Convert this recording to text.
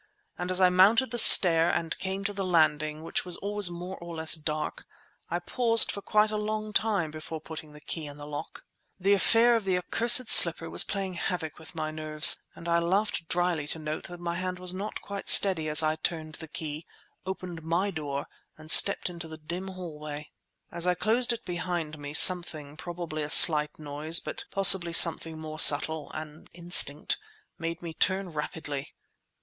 And as I mounted the stair and came to the landing, which was always more or less dark, I paused for quite a long time before putting the key in the lock. The affair of the accursed slipper was playing havoc with my nerves, and I laughed dryly to note that my hand was not quite steady as I turned the key, opened my door, and slipped into the dim hallway. As I closed it behind me, something, probably a slight noise, but possibly something more subtle—an instinct—made me turn rapidly.